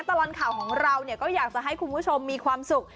ตลอดข่าวของเราเนี่ยก็อยากจะให้คุณผู้ชมมีความสุข